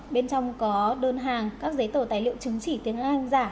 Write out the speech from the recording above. bên trong có đơn hàng các giấy tờ tài liệu chứng chỉ tiếng lan giả